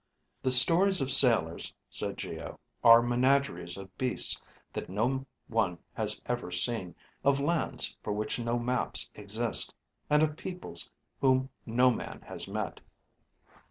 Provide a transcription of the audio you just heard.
"The stories of sailors," said Geo, "are menageries of beasts that no one has ever seen, of lands for which no maps exist, and of peoples whom no man has met."